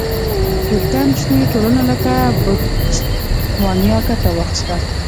ډېر کم شمېر ټولنو لکه بوتسوانیا ګټه واخیسته.